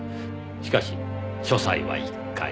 しかし書斎は１階。